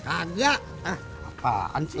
enggak apaan sih